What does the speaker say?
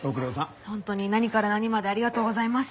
本当に何から何までありがとうございます。